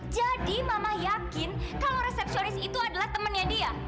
jadi mama yakin kalau resepsionis itu adalah temannya dia